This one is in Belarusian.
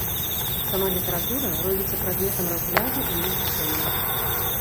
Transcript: Сама літаратура робіцца прадметам разгляду і вывучэння.